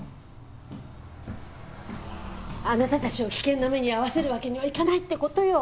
あなたたちを危険な目に遭わせるわけにはいかないって事よ！